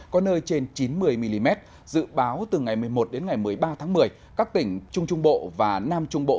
có nơi trên chín mươi mm dự báo từ ngày một mươi một đến ngày một mươi ba tháng một mươi các tỉnh trung trung bộ và nam trung bộ